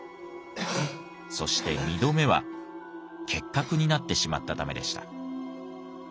そして２度目は結核になってしまったためでした。